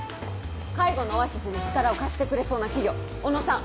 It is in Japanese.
「介護のオアシス」に力を貸してくれそうな企業小野さん